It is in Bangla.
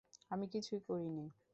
আমি কিছুই করি নি।